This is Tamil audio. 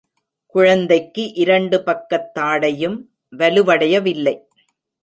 குழந்தைக்கு இரண்டு பக்கத் தாடையும் வலுவடைய வில்லை.